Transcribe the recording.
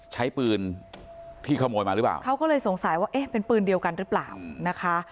ใช้ปืนที่ขโมยมาหรือเปล่าเขาก็เลยสงสัยว่าเอ๊ะเป็นปืนเดียวกันหรือเปล่านะคะ